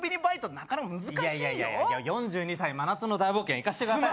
なかなか難しいよ４２歳真夏の大冒険いかせてください